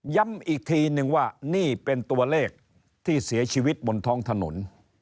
ย้ำอีกทีนึงว่านี่เป็นตัวเลขที่เสียชีวิตบนท้องถนน